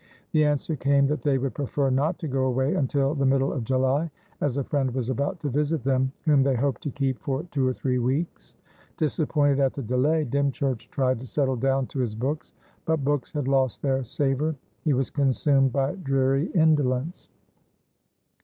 The answer came that they would prefer not to go away until the middle of July, as a friend was about to visit them, whom they hoped to keep for two or three weeks. Disappointed at the delay, Dymchurch tried to settle down to his books; but books had lost their savour. He was consumed by dreary indolence.